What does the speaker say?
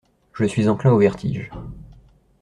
Je suis enclin au vertige.